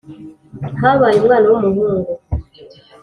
Habaye umwana w’umuhungu